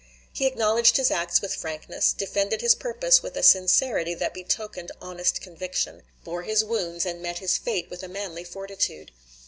He acknowledged his acts with frankness, defended his purpose with a sincerity that betokened honest conviction, bore his wounds and met his fate with a manly fortitude.